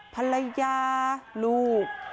ภรรยาลูกหลาน